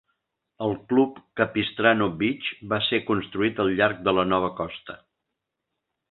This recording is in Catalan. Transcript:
El club Capistrano Beach va ser construït al llarg de la nova costa.